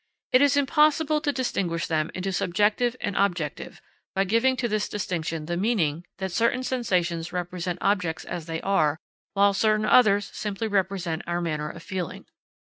It is impossible to distinguish them into subjective and objective, by giving to this distinction the meaning that certain sensations represent objects as they are, while certain others simply represent our manner of feeling.